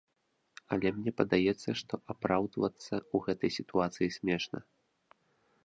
Але мне падаецца, што апраўдвацца ў гэтай сітуацыі смешна.